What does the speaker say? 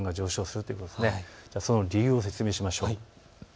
その理由を説明しましょう。